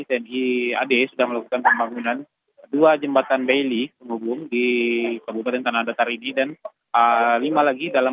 pembangunan dua jembatan bailey menghubung di kabupaten tanah datar ini dan lima lagi dalam